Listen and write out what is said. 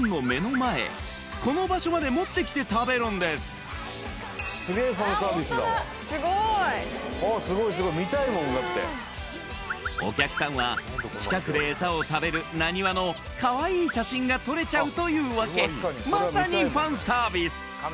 すごーいあっすごいすごい見たいもんだってお客さんは近くでエサを食べるなにわのかわいい写真が撮れちゃうというわけまさにファンサービス